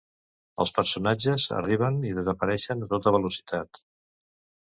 Els personatges arriben i desapareixen a tota velocitat.